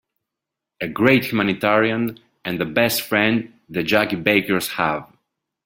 A great humanitarian and the best friend the Jessie Bakers have.